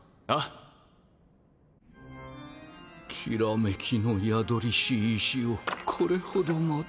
煌めきの宿りし石をこれほどまで。